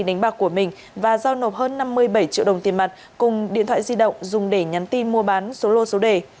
công an tỉnh vĩnh phúc đã giao nộp hơn năm mươi bảy triệu đồng tiền mặt cùng điện thoại di động dùng để nhắn tin mua bán số lô số đề